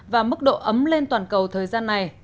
và mức độ ấm lên toàn cầu thời gian này